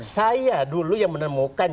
saya dulu yang menemukan